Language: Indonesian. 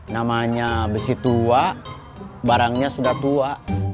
namanya besi tua barangnya sudah tua